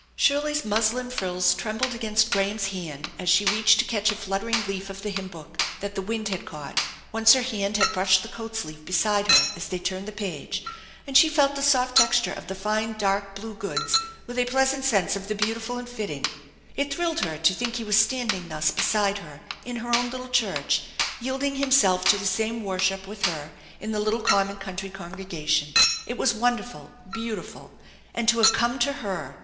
Shirley's muslin frills trembled against Graham's hand as she reached to catch a fluttering leaf of the hymn book that the wind had caught; once her hand brushed the coat sleeve beside her as they turned the page, and she felt the soft texture of the fine dark blue goods with a pleasant sense 216 THE ENCHANTED BARN of the beautiful and fitting. It thrilled her to think ha was standing thus beside her in her own little church, yielding himself to the same worship with her in the little common country congregation. It was wonderful, beautiful ! And to have come to her!